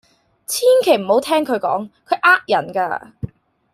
千祈唔好聽佢講，佢呃人㗎。